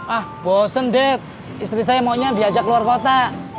ah bosen dad istri saya maunya diajak luar kota